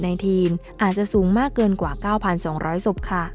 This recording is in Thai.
ในทีนอาจจะสูงมากเกินกว่า๙๒๐๐ศพค่ะ